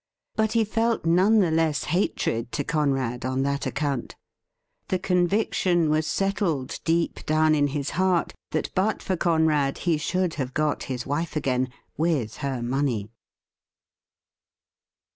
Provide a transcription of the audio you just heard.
But he felt none the less hatred to Conrad on that account; The WHAT IS TO BE DONE NEXT? 299 conviction was settled deep down in his heart that but for Conrad he should have got his wife again — with her money.